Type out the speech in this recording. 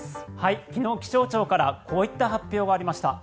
昨日、気象庁からこういった発表がありました。